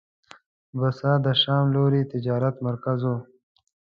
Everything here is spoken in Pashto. بصره د شام لوی تجارتي مرکز و.